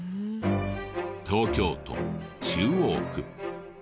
東京都中央区。